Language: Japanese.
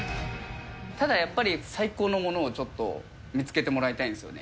ただやっぱり、最高のものをちょっと見つけてもらいたいんですよね。